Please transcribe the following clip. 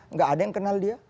nggak ada yang kenal dia